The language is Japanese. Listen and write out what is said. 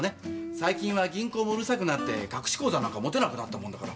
最近は銀行もうるさくなって隠し口座なんか持てなくなったもんだから。